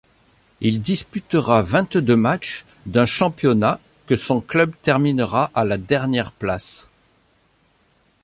Il disputera vingt-deux matchs d'un championnat que son club terminera à la dernière place.